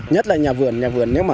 nhất là nhà vườn nhà vườn nếu mà